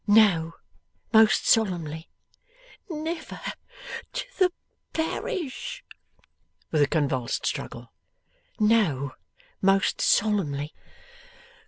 'No. Most solemnly.' 'Never to the Parish!' with a convulsed struggle. 'No. Most solemnly.